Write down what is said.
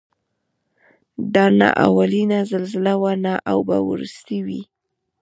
دا نه اولینه زلزله وه او نه به وروستۍ وي.